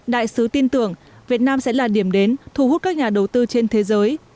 đại sứ tin tưởng việt nam sẽ là điểm đến thu hút các nhà đầu tư trên thế giới